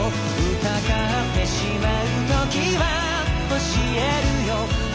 「疑ってしまう時は教えるよ」